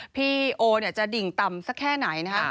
พี่โอจะดิ่งต่ำสักแค่ไหนนะคะ